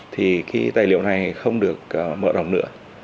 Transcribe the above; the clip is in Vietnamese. thì cái tài liệu này không được mở rộng nữa